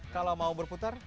kalau mau berputar